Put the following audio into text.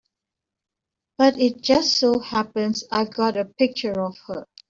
But it just so happens I've got a picture of her.